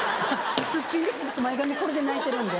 すっぴんで前髪これで泣いてるんで。